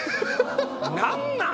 何なん？